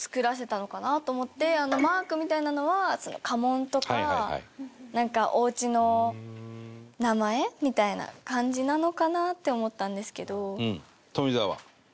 あのマークみたいなのは家紋とかなんかおうちの名前みたいな感じなのかなって思ったんですけど。